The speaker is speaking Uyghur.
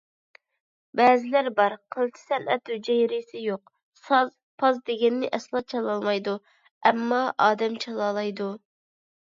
بەزىلەر بار، قىلچە سەنئەت ھۈجەيرىسى يوق، ساز-پاز دېگەننى ئەسلا چالالمايدۇ، ئەمما ئادەم چالالايدۇ.